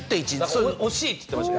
惜しいって言っていました。